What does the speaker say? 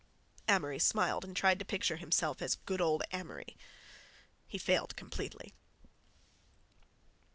Amory smiled and tried to picture himself as "good old Amory." He failed completely.